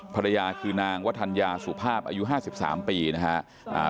ภรรยาคือนางวัฒนยาสุภาพอายุห้าสิบสามปีนะฮะ